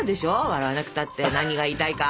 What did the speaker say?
笑わなくたって何が言いたいか。